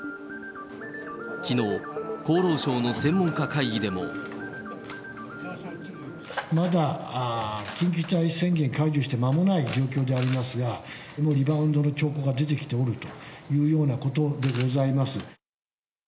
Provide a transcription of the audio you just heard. きのう、厚労省の専門家会議でも。まだ緊急事態宣言解除して、間もない状況でありますが、もうリバウンドの兆候が出てきておるというようなことでございます。